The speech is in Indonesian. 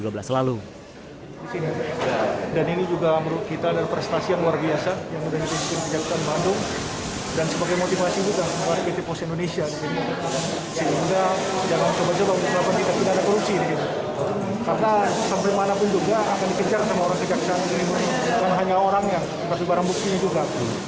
bukan hanya orang yang tapi barang buktinya juga